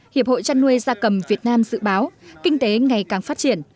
hiệp hội chăn nuôi gia cầm việt nam dự báo kinh tế ngày càng phát triển